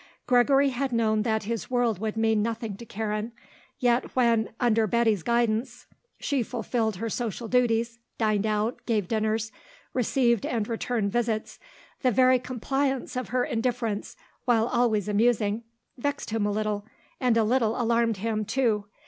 Gregory had known that his world would mean nothing to Karen; yet when, under Betty's guidance, she fulfilled her social duties, dined out, gave dinners, received and returned visits, the very compliance of her indifference, while always amusing, vexed him a little, and a little alarmed him, too.